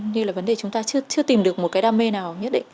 như là vấn đề chúng ta chưa tìm được một cái đam mê nào nhất định